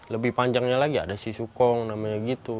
lebih panjangnya lagi ada si sukong namanya gitu